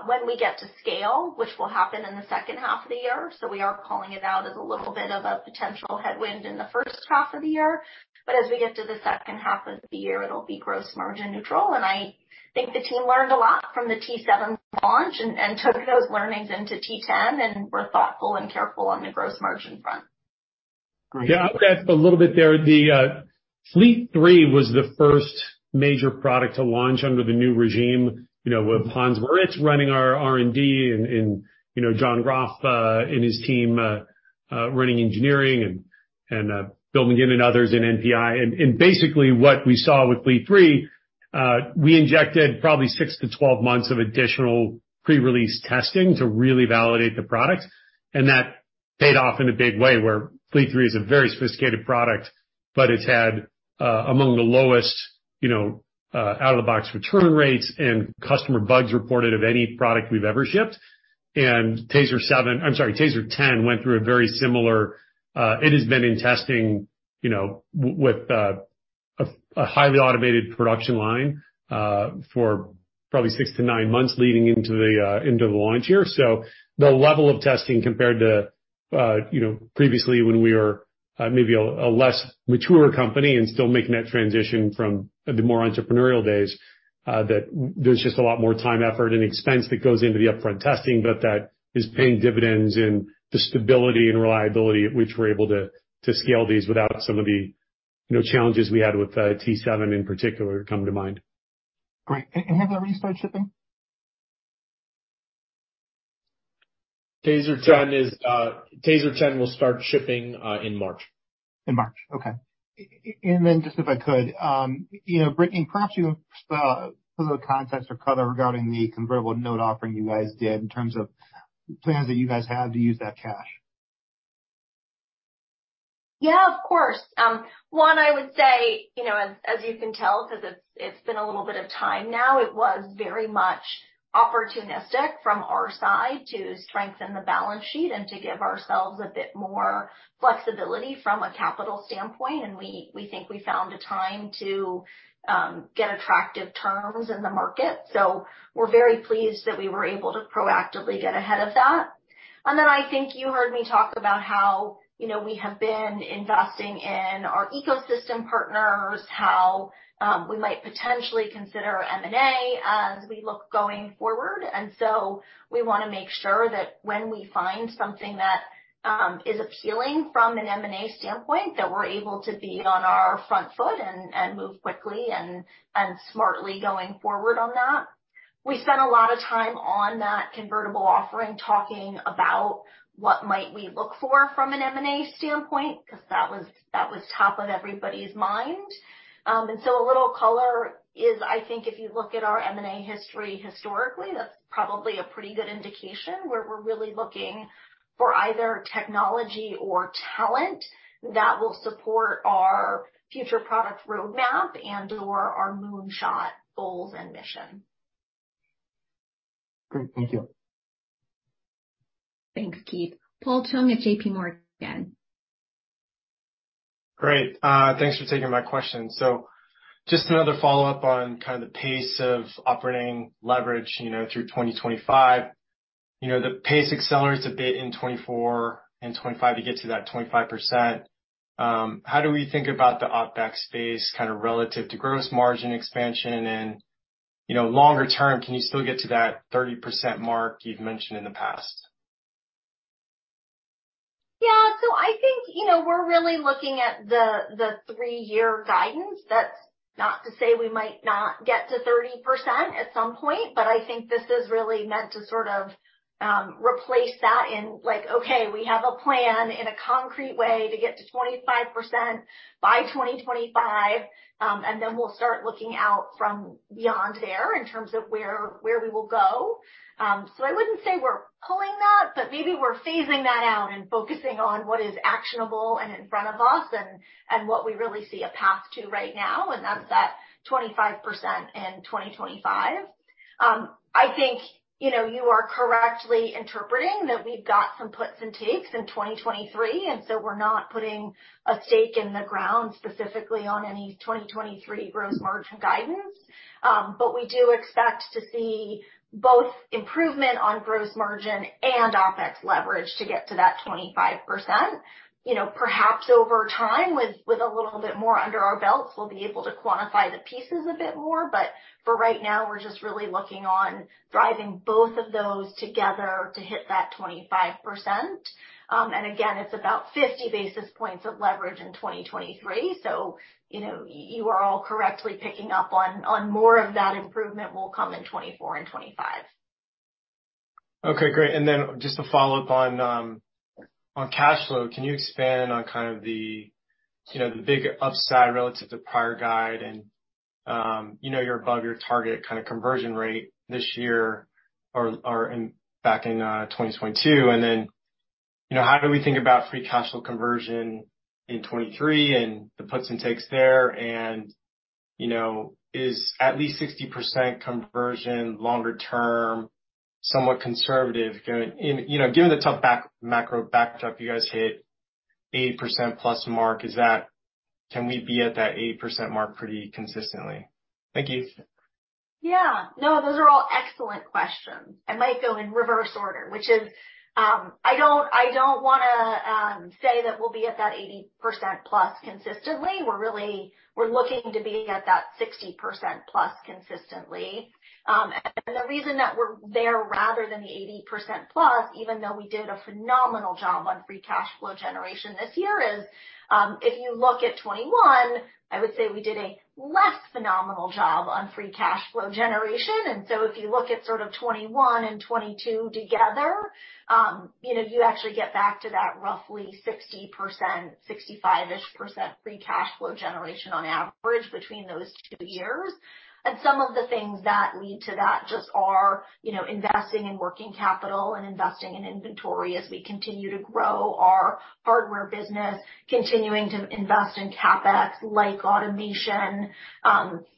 when we get to scale, which will happen in the second half of the year, We are calling it out as a little bit of a potential headwind in the first half of the year. As we get to the second half of the year, it'll be gross margin neutral. I think the team learned a lot from the T7 launch and took those learnings into T10, and we're thoughtful and careful on the gross margin front. Yeah, I'll add a little bit there. The Fleet 3 was the first major product to launch under the new regime. You know, with Hans Moritz running our R&D and, you know, Jeff Kunins and his team running engineering and building in, and others in NPI. Basically what we saw with Fleet 3, we injected probably 6 to 12 months of additional pre-release testing to really validate the product. That paid off in a big way, where Fleet 3 is a very sophisticated product, but it's had, among the lowest, you know, out of the box return rates and customer bugs reported of any product we've ever shipped. TASER 7... I'm sorry, TASER 10 went through a very similar, it has been in testing, you know, with a highly automated production line, for probably 6 to 9 months leading into the launch here. The level of testing compared to, you know, previously when we were maybe a less mature company and still making that transition from the more entrepreneurial days, that there's just a lot more time, effort, and expense that goes into the upfront testing. That is paying dividends in the stability and reliability at which we're able to scale these without some of the, you know, challenges we had with T7 in particular come to mind. Great. have you started shipping? TASER 10 will start shipping in March. In March. Okay. Just if I could, you know, Brittany, perhaps you have some little context or color regarding the convertible note offering you guys did in terms of plans that you guys have to use that cash. Yeah, of course. One, I would say, you know, as you can tell, because it's been a little bit of time now, it was very much opportunistic from our side to strengthen the balance sheet and to give ourselves a bit more flexibility from a capital standpoint. We, we think we found a time to get attractive terms in the market. We're very pleased that we were able to proactively get ahead of that. I think you heard me talk about how, you know, we have been investing in our ecosystem partners, how we might potentially consider M&A as we look going forward. We wanna make sure that when we find something that is appealing from an M&A standpoint, that we're able to be on our front foot and move quickly and smartly going forward on that. We spent a lot of time on that convertible offering, talking about what might we look for from an M&A standpoint, 'cause that was top of everybody's mind. A little color is, I think if you look at our M&A history historically, that's probably a pretty good indication where we're really looking for either technology or talent that will support our future product roadmap and/or our moonshot goals and mission. Great. Thank you. Thanks, Keith. Paul Chung at JPMorgan. Great. Thanks for taking my question. Just another follow-up on kind of the pace of operating leverage, you know, through 2025. You know, the pace accelerates a bit in 2024 and 2025 to get to that 25%. How do we think about the OpEx space kind of relative to gross margin expansion? You know, longer term, can you still get to that 30% mark you've mentioned in the past? Yeah. I think, you know, we're really looking at the three-year guidance. That's not to say we might not get to 30% at some point, but I think this is really meant to sort of replace that in like, okay, we have a plan in a concrete way to get to 25% by 2025. Then we'll start looking out from beyond there in terms of where we will go. I wouldn't say we're pulling that, but maybe we're phasing that out and focusing on what is actionable and in front of us and what we really see a path to right now, and that's that 25% in 2025. I think, you know, you are correctly interpreting that we've got some puts and takes in 2023, we're not putting a stake in the ground specifically on any 2023 gross margin guidance. We do expect to see both improvement on gross margin and OpEx leverage to get to that 25%. You know, perhaps over time, with a little bit more under our belts, we'll be able to quantify the pieces a bit more. For right now, we're just really looking on driving both of those together to hit that 25%. Again, it's about 50 basis points of leverage in 2023. You know, you are all correctly picking up on more of that improvement will come in 2024 and 2025. Okay, great. Just to follow up on cash flow, can you expand on kind of the, you know, the big upside relative to prior guide and, you know, you're above your target kind of conversion rate this year or in back in 2022. How do we think about free cash flow conversion in 2023 and the puts and takes there? You know, is at least 60% conversion longer term, somewhat conservative given the tough macro backdrop you guys hit 80%+ mark, can we be at that 80% mark pretty consistently? Thank you. Yeah. No, those are all excellent questions. I might go in reverse order, which is, I don't wanna say that we'll be at that 80%+ consistently. We're looking to be at that 60%+ consistently. The reason that we're there rather than the 80%+, even though we did a phenomenal job on free cash flow generation this year, is, if you look at 2021, I would say we did a less phenomenal job on free cash flow generation. If you look at sort of 2021 and 2022 together, you know, you actually get back to that roughly 60%, 65%-ish percent free cash flow generation on average between those two years. Some of the things that lead to that just are, you know, investing in working capital and investing in inventory as we continue to grow our Hardware business, continuing to invest in CapEx, like automation.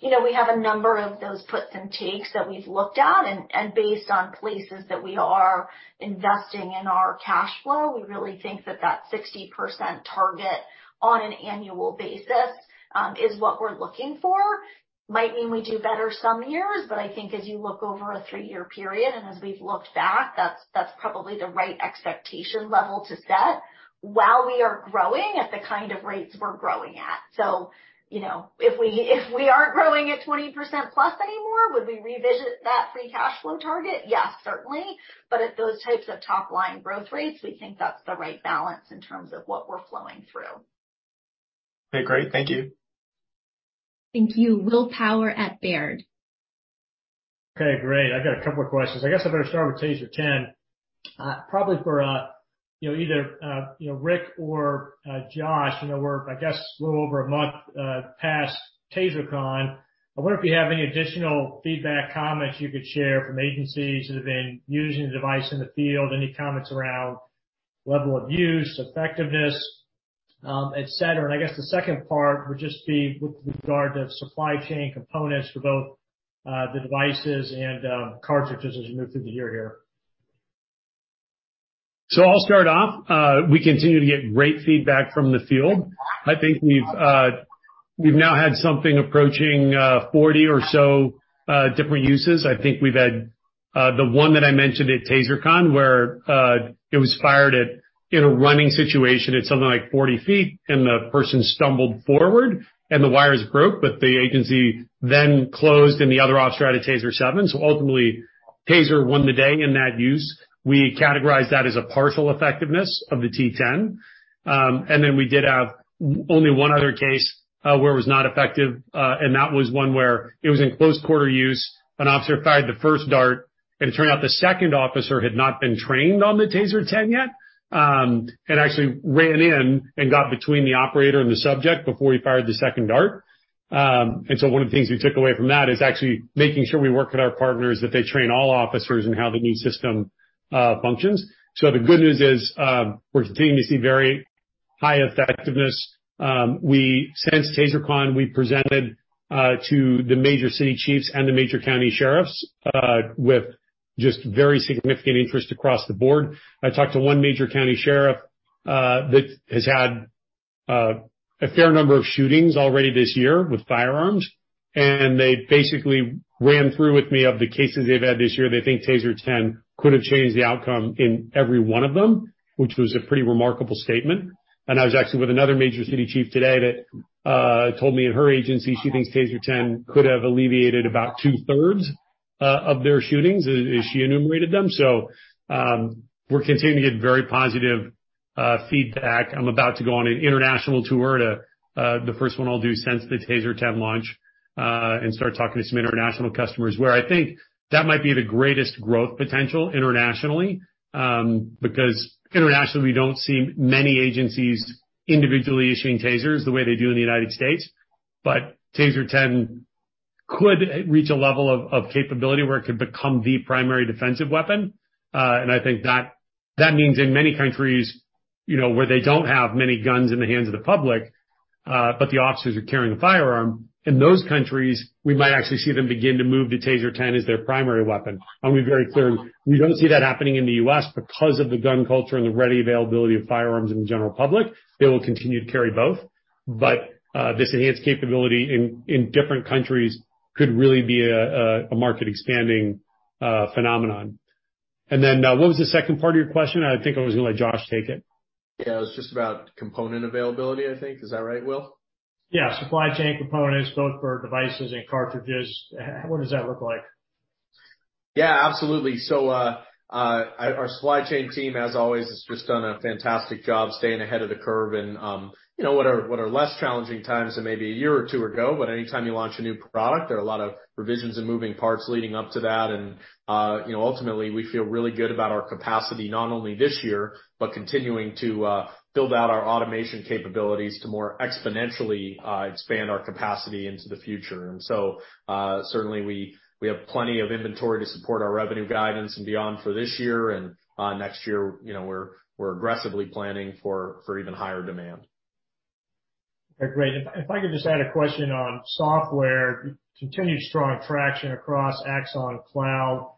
You know, we have a number of those puts and takes that we've looked at, and based on places that we are investing in our cash flow, we really think that that 60% target on an annual basis is what we're looking for. Might mean we do better some years, but I think as you look over a three-year period, and as we've looked back, that's probably the right expectation level to set while we are growing at the kind of rates we're growing at. You know, if we aren't growing at 20%+ anymore, would we revisit that free cash flow target? Yes, certainly. At those types of top-line growth rates, we think that's the right balance in terms of what we're flowing through. Okay, great. Thank you. Thank you. Will Power at Baird. Okay, great. I got a couple of questions. I guess I better start with TASER 10, probably for, you know, either, you know, Rick or, you know, Josh. You know, we're, I guess, a little over a month past TASERCON. I wonder if you have any additional feedback, comments you could share from agencies that have been using the device in the field, any comments around level of use, effectiveness, etc. I guess the second part would just be with regard to supply chain components for both the devices and cartridges as you move through the year here. I'll start off. We continue to get great feedback from the field. I think we've now had something approaching, 40 or so, different uses. I think we've had, the one that I mentioned at TASERCON, where, it was fired at, in a running situation at something like 40 feet and the person stumbled forward and the wires broke, but the agency then closed and the other officer had a TASER 7. Ultimately, Taser won the day in that use. We categorized that as a partial effectiveness of the T10. We did have only one other case, where it was not effective, and that was one where it was in close quarter use. An officer fired the first dart, and it turned out the second officer had not been trained on the TASER 10 yet, and actually ran in and got between the operator and the subject before he fired the second dart. One of the things we took away from that is actually making sure we work with our partners, that they train all officers in how the new system functions. The good news is, we're continuing to see very high effectiveness. Since TASERCON, we presented to the major city chiefs and the major county sheriffs with just very significant interest across the board. I talked to 1 major county sheriff that has had a fair number of shootings already this year with firearms, and they basically ran through with me of the cases they've had this year. They think TASER 10 could have changed the outcome in every one of them, which was a pretty remarkable statement. I was actually with another major city chief today that told me in her agency, she thinks TASER 10 could have alleviated about two-thirds of their shootings as she enumerated them. We're continuing to get very positive feedback. I'm about to go on an international tour to the first one I'll do since the TASER 10 launch and start talking to some international customers where I think that might be the greatest growth potential internationally. Because internationally, we don't see many agencies individually issuing TASERs the way they do in the United States. TASER 10 could reach a level of capability where it could become the primary defensive weapon. I think that means in many countries, you know, where they don't have many guns in the hands of the public, but the officers are carrying a firearm, in those countries, we might actually see them begin to move to TASER 10 as their primary weapon. I'll be very clear, we don't see that happening in the U.S. because of the gun culture and the ready availability of firearms in the general public. They will continue to carry both. This enhanced capability in different countries could really be a, a market expanding phenomenon. What was the second part of your question? I think I was gonna let Josh take it. Yeah. It was just about component availability, I think. Is that right, Will? Yeah. Supply chain components both for devices and cartridges. What does that look like? Yeah, absolutely. Our supply chain team, as always, has just done a fantastic job staying ahead of the curve in, you know, what are less challenging times than maybe a year or 2 ago. Any time you launch a new product, there are a lot of revisions and moving parts leading up to that. Ultimately, we feel really good about our capacity not only this year, but continuing to build out our automation capabilities to more exponentially expand our capacity into the future. Certainly, we have plenty of inventory to support our revenue guidance and beyond for this year. Next year, you know, we're aggressively planning for even higher demand. Okay, great. If I could just add a question on software, continued strong traction across Axon Cloud.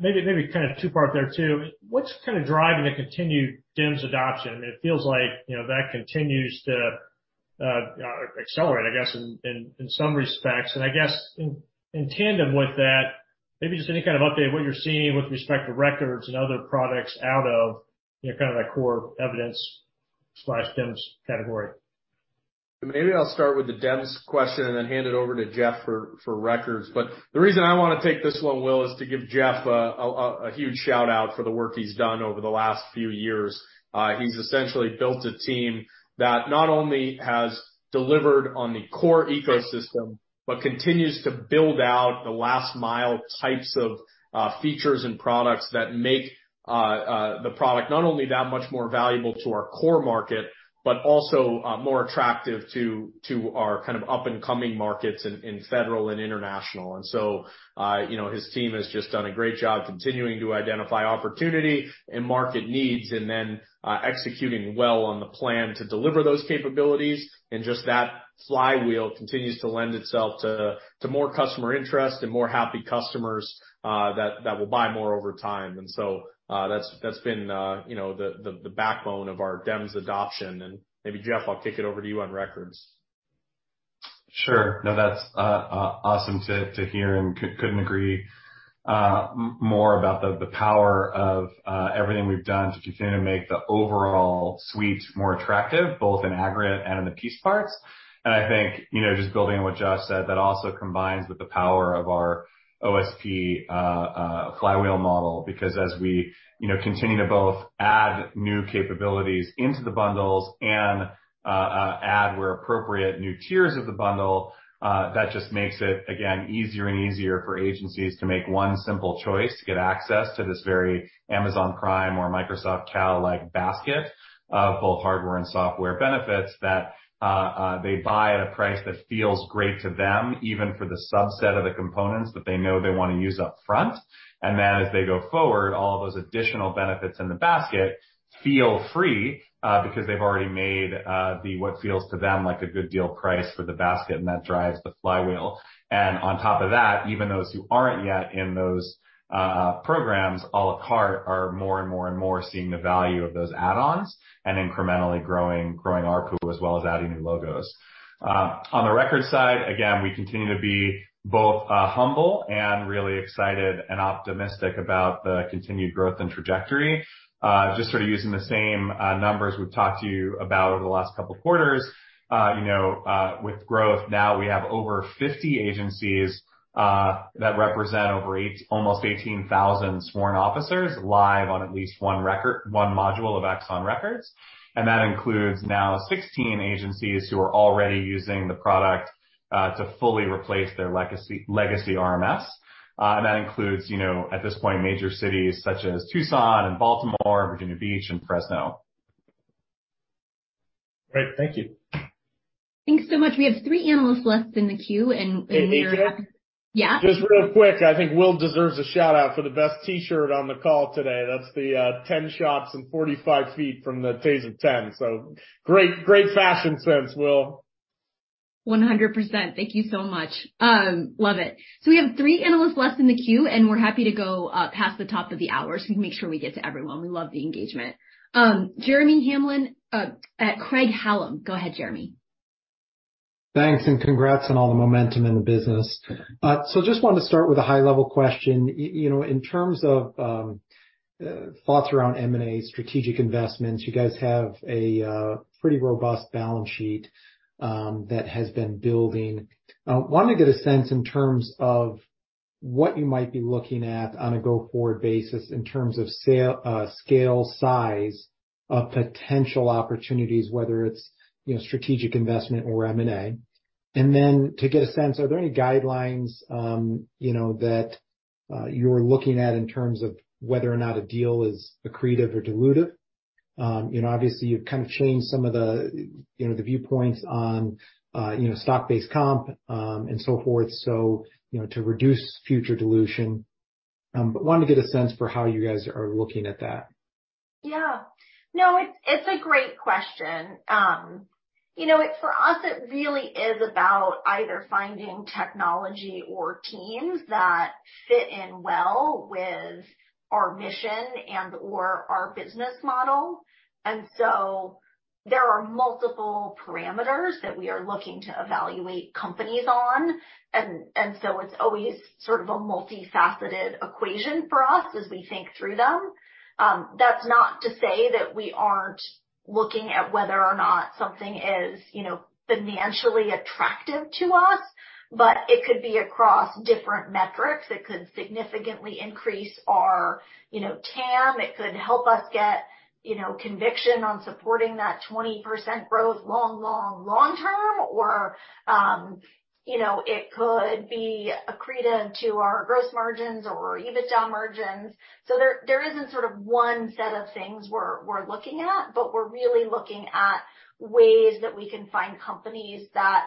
Maybe kind of two-part there too. What's kind of driving the continued DEMS adoption? It feels like, you know, that continues.accelerate, I guess, in some respects. I guess in tandem with that, maybe just any kind of update what you're seeing with respect to Axon Records and other products out of, you know, kind of that core Axon Evidence/DEMS category. Maybe I'll start with the DEMS question and then hand it over to Jeff for Records. The reason I wanna take this one, Will, is to give Jeff a huge shout-out for the work he's done over the last few years. He's essentially built a team that not only has delivered on the core ecosystem, but continues to build out the last mile types of features and products that make the product not only that much more valuable to our core market, but also more attractive to our kind of up and coming markets in federal and international. So, you know, his team has just done a great job continuing to identify opportunity and market needs and then executing well on the plan to deliver those capabilities. Just that flywheel continues to lend itself to more customer interest and more happy customers that will buy more over time. So, that's been, you know, the backbone of our DEMS adoption. Maybe, Jeff, I'll kick it over to you on records. Sure. No, that's awesome to hear and couldn't agree more about the power of everything we've done to continue to make the overall suite more attractive, both in aggregate and in the piece parts. I think, you know, just building on what Josh said, that also combines with the power of our OSP flywheel model, because as we, you know, continue to both add new capabilities into the bundles and add where appropriate new tiers of the bundle, that just makes it, again, easier and easier for agencies to make 1 simple choice to get access to this very Amazon Prime or Microsoft CAL-like basket of both hardware and software benefits that they buy at a price that feels great to them, even for the subset of the components that they know they wanna use up front. Then as they go forward, all of those additional benefits in the basket feel free, because they've already made, the what feels to them like a good deal price for the basket, and that drives the flywheel. On top of that, even those who aren't yet in those programs, a la carte are more and more and more seeing the value of those add-ons and incrementally growing ARPU, as well as adding new logos. On the Records side, again, we continue to be both, humble and really excited and optimistic about the continued growth and trajectory. Just sort of using the same numbers we've talked to you about over the last couple of quarters. You know, with growth now we have over 50 agencies, that represent over 8... almost 18,000 sworn officers live on at least one module of Axon Records. That includes now 16 agencies who are already using the product to fully replace their legacy RMS. That includes, you know, at this point, major cities such as Tucson and Baltimore, Virginia Beach, and Fresno. Great. Thank you. Thanks so much. We have three analysts left in the queue. Hey, AJ? Yeah. Just real quick. I think Will deserves a shout-out for the best T-shirt on the call today. That's the 10 shots and 45 feet from the TASER 10. Great, great fashion sense, Will. 100%. Thank you so much. Love it. We have 3 analysts left in the queue, and we're happy to go past the top of the hour so we can make sure we get to everyone. We love the engagement. Jeremy Hamblin, Craig-Hallum. Go ahead, Jeremy. Thanks. Congrats on all the momentum in the business. Just wanted to start with a high-level question. You know, in terms of thoughts around M&A strategic investments, you guys have a pretty robust balance sheet that has been building. Wanted to get a sense in terms of what you might be looking at on a go-forward basis in terms of sale, scale, size of potential opportunities, whether it's, you know, strategic investment or M&A. Then to get a sense, are there any guidelines, you know, that you're looking at in terms of whether or not a deal is accretive or dilutive? You know, obviously you've kind of changed some of the, you know, the viewpoints on, you know, stock-based comp, and so forth, so, you know, to reduce future dilution. Wanted to get a sense for how you guys are looking at that. Yeah. No, it's a great question. you know, for us, it really is about either finding technology or teams that fit in well with our mission and/or our business model. There are multiple parameters that we are looking to evaluate companies on. It's always sort of a multifaceted equation for us as we think through them. That's not to say that we aren't looking at whether or not something is, you know, financially attractive to us, but it could be across different metrics. It could significantly increase our, you know, TAM. It could help us get, you know, conviction on supporting that 20% growth long, long, long term or, you know, it could be accretive to our gross margins or EBITDA margins. There, there isn't sort of one set of things we're looking at, but we're really looking at ways that we can find companies that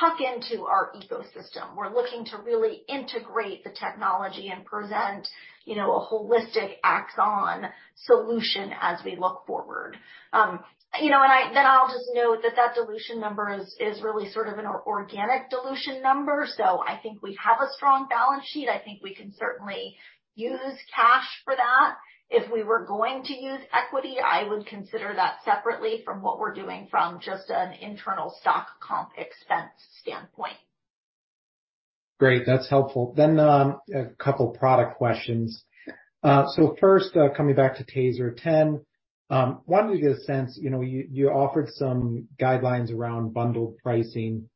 tuck into our ecosystem. We're looking to really integrate the technology and present, you know, a holistic Axon solution as we look forward. you know, then I'll just note that that dilution number is really sort of an organic dilution number. I think we have a strong balance sheet. I think we can certainly use cash for that. If we were going to use equity, I would consider that separately from what we're doing from just an internal stock comp expense standpoint. Great, that's helpful. A couple product questions. First, coming back to TASER 10, wanted to get a sense, you know, you offered some guidelines around bundled pricing.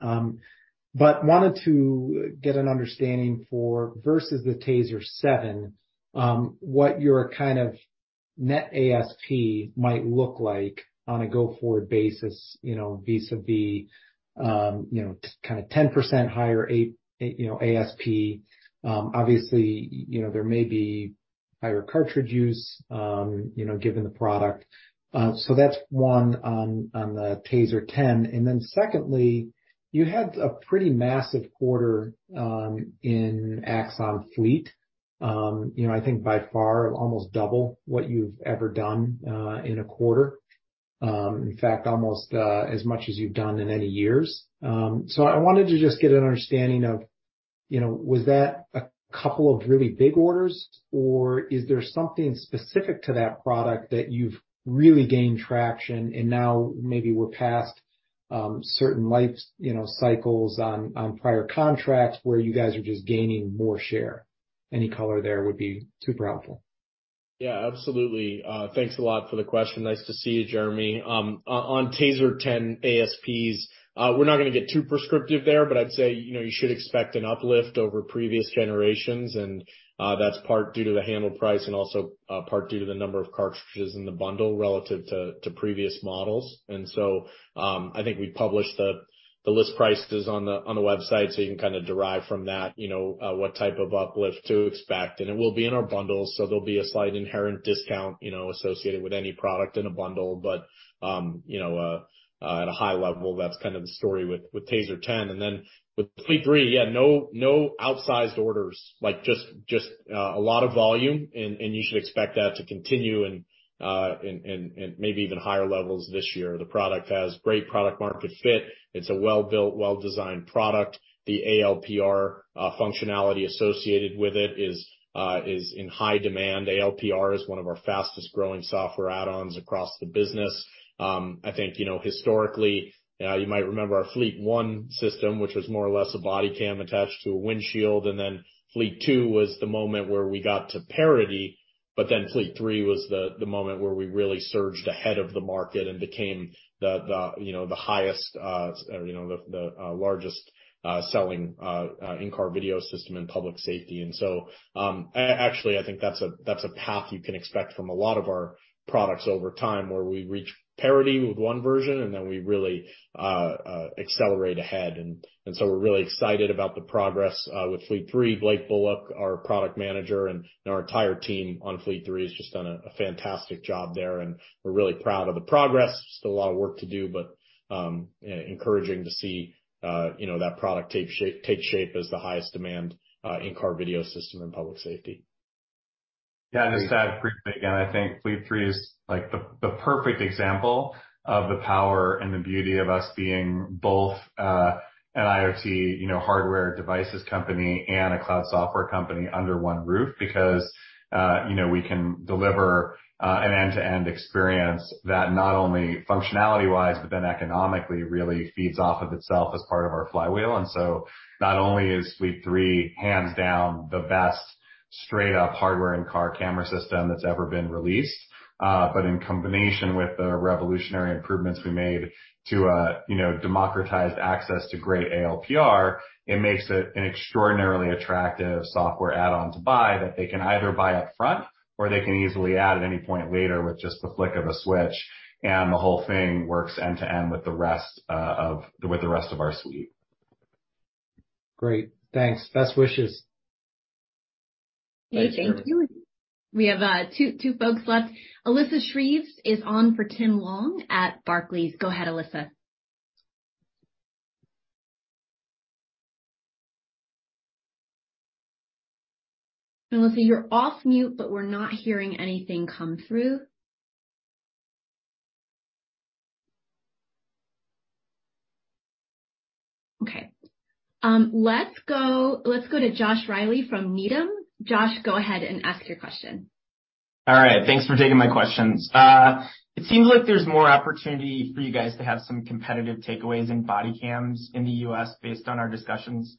Wanted to get an understanding for versus the TASER 7, what your kind of net ASP might look like on a go-forward basis, you know, vis-a-vis, you know, kind of 10% higher ASP. Obviously, you know, there may be higher cartridge use, you know, given the product. That's one on the TASER 10. Secondly, you had a pretty massive quarter in Axon Fleet. You know, I think by far almost double what you've ever done in a quarter. In fact, almost as much as you've done in any years. I wanted to just get an understanding of, you know, was that a couple of really big orders, or is there something specific to that product that you've really gained traction and now maybe we're past certain life's, you know, cycles on prior contracts where you guys are just gaining more share? Any color there would be super helpful. Yeah, absolutely. Thanks a lot for the question. Nice to see you, Jeremy. On TASER 10 ASPs, we're not gonna get too prescriptive there, but I'd say, you know, you should expect an uplift over previous generations and that's part due to the handle price and also part due to the number of cartridges in the bundle relative to previous models. I think we published the list prices on the website, so you can kinda derive from that, you know, what type of uplift to expect. It will be in our bundles, so there'll be a slight inherent discount, you know, associated with any product in a bundle. You know, at a high level, that's kind of the story with TASER 10. With Fleet 3, yeah, no outsized orders, like just a lot of volume. You should expect that to continue. Maybe even higher levels this year. The product has great product market fit. It's a well-built, well-designed product. The ALPR functionality associated with it is in high demand. ALPR is one of our fastest-growing software add-ons across the business. I think, you know, historically, you might remember our Fleet 1 system, which was more or less a body cam attached to a windshield. Fleet 2 was the moment where we got to parity. Fleet 3 was the moment where we really surged ahead of the market and became the, you know, the highest, or, you know, the largest selling in-car video system in public safety. Actually, I think that's a path you can expect from a lot of our products over time, where we reach parity with one version, and then we really accelerate ahead. We're really excited about the progress with Fleet 3. Blake Bullock, our product manager, and our entire team on Fleet 3 has just done a fantastic job there, and we're really proud of the progress. Still a lot of work to do, but encouraging to see, you know, that product take shape as the highest demand in-car video system in public safety. Yeah, just to add briefly, again, I think Fleet 3 is like the perfect example of the power and the beauty of us being both an IoT, you know, Hardware Devices company and a Cloud Software company under one roof. You know, we can deliver an end-to-end experience that not only functionality-wise, but then economically really feeds off of itself as part of our flywheel. Not only is Fleet 3 hands down the best straight-up hardware in-car camera system that's ever been released, but in combination with the revolutionary improvements we made to, you know, democratize access to great ALPR, it makes it an extraordinarily attractive software add-on to buy that they can either buy up front or they can easily add at any point later with just the flick of a switch, and the whole thing works end-to-end with the rest of our suite. Great. Thanks. Best wishes. Thanks, Jeremy. Okay, thank you. We have two folks left. Alyssa Shreves is on for Tim Long at Barclays. Go ahead, Alyssa. Alyssa, you're off mute, but we're not hearing anything come through. Okay. Let's go to Josh Reilly from Needham. Josh, go ahead and ask your question. Thanks for taking my questions. It seems like there's more opportunity for you guys to have some competitive takeaways in body cams in the U.S. based on our discussions,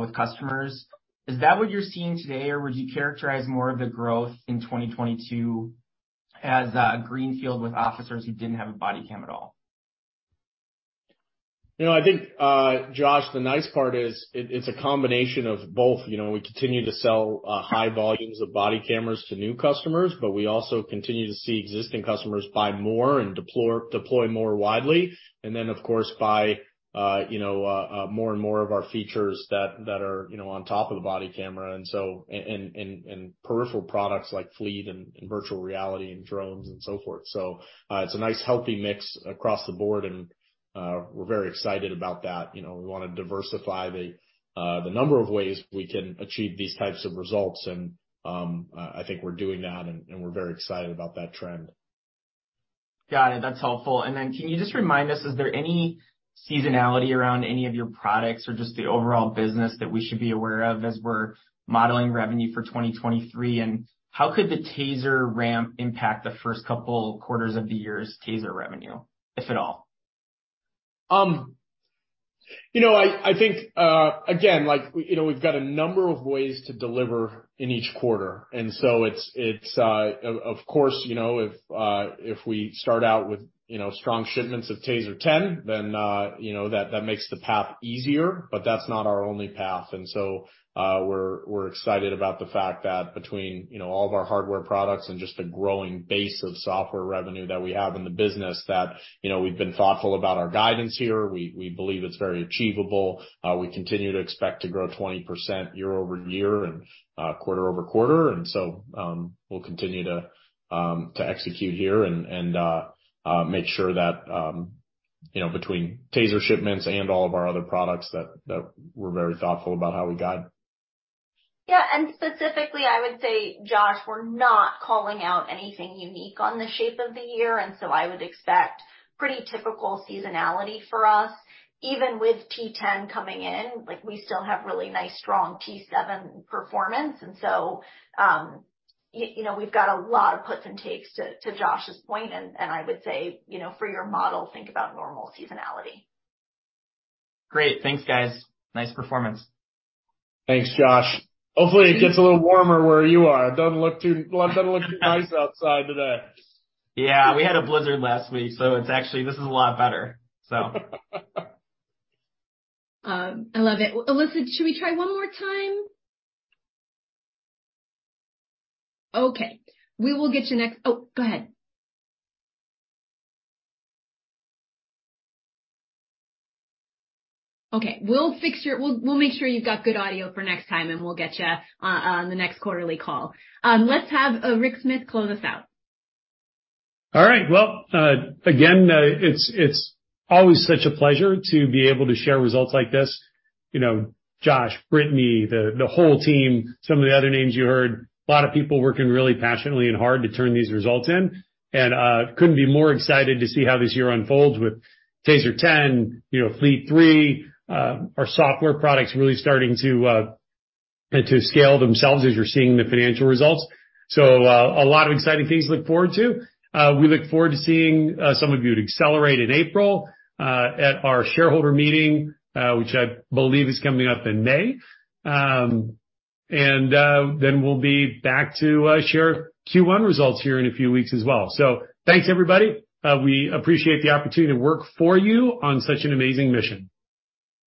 with customers. Is that what you're seeing today, or would you characterize more of the growth in 2022 as a greenfield with officers who didn't have a body cam at all? You know, I think, Josh, the nice part is it's a combination of both. You know, we continue to sell high volumes of body cameras to new customers, but we also continue to see existing customers buy more and deploy more widely. Then, of course, buy, you know, more and more of our features that are, you know, on top of the body camera, and peripheral products like Fleet and virtual reality and drones and so forth. It's a nice, healthy mix across the board, and we're very excited about that. You know, we wanna diversify the number of ways we can achieve these types of results. I think we're doing that, and we're very excited about that trend. Got it. That's helpful. Can you just remind us, is there any seasonality around any of your products or just the overall business that we should be aware of as we're modeling revenue for 2023? How could the TASER ramp impact the first couple quarters of the year's TASER revenue, if at all? I think, again, like, you know, we've got a number of ways to deliver in each quarter. It's, of course, you know, if we start out with, you know, strong shipments of TASER 10 then, you know, that makes the path easier, but that's not our only path. We're excited about the fact that between, you know, all of our hardware products and just the growing base of software revenue that we have in the business, that, you know, we've been thoughtful about our guidance here. We believe it's very achievable. We continue to expect to grow 20% year-over-year and quarter-over-quarter. We'll continue to execute here and make sure that, you know, between TASER shipments and all of our other products that we're very thoughtful about how we guide. Yeah. Specifically, I would say, Josh, we're not calling out anything unique on the shape of the year, I would expect pretty typical seasonality for us. Even with T10 coming in, like, we still have really nice, strong T7 performance. You know, we've got a lot of puts and takes, to Josh's point, I would say, you know, for your model, think about normal seasonality. Great. Thanks, guys. Nice performance. Thanks, Josh. Hopefully it gets a little warmer where you are. Well, it doesn't look too nice outside today. Yeah, we had a blizzard last week, so it's actually. This is a lot better. I love it. Alyssa, should we try one more time? Okay. We will get you next. Oh, go ahead. Okay. We'll make sure you've got good audio for next time, and we'll get you on the next quarterly call. Let's have Rick Smith close us out. All right. Well, again, it's always such a pleasure to be able to share results like this. You know, Josh, Brittany, the whole team, some of the other names you heard, a lot of people working really passionately and hard to turn these results in. Couldn't be more excited to see how this year unfolds with TASER 10, you know, Fleet 3, our software products really starting to scale themselves as you're seeing the financial results. A lot of exciting things to look forward to. We look forward to seeing some of you at Accelerate in April, at our shareholder meeting, which I believe is coming up in May. We'll be back to share Q1 results here in a few weeks as well. Thanks, everybody. We appreciate the opportunity to work for you on such an amazing mission.